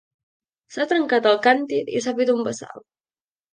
S'ha trencat el càntir i s'ha fet un bassal.